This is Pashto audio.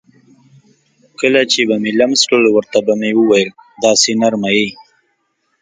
کله چې به مې لمس کړل ورته به مې وویل: داسې نرمه یې.